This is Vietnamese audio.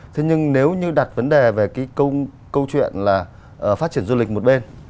thế nhưng nếu như đặt vấn đề về cái câu chuyện là phát triển du lịch một bên